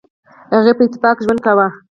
هغوی په اتفاق ژوند کاوه.